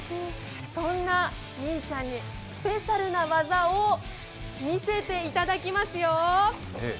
そんなみーちゃんにスペシャルな技を見せていただきますよ。